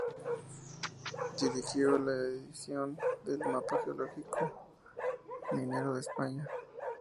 Dirigió la edición del "Mapa geológico-minero de España".